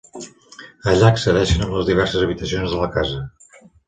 Allà accedeixen les diverses habitacions de la casa.